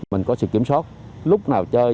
mình có sự kiểm soát lúc nào chơi